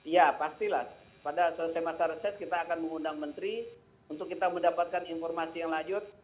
ya pastilah pada selesai masa reses kita akan mengundang menteri untuk kita mendapatkan informasi yang lanjut